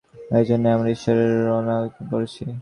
এইজন্যই আমরা ঈশ্বরের রোষানলে পরেছি!